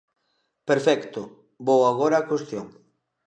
Perfecto, vou agora á cuestión.